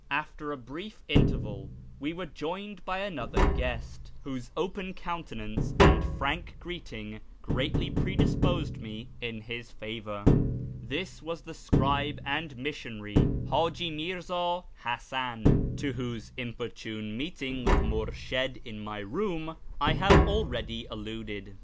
After a brief interval we were joined by another guest, whose open countenance and frank greeting greatly predisposed me in his favour. This was the scribe and missionary, Haji Mirza Hasan, to whose inopportune meeting with Murshid in my room I have already alluded.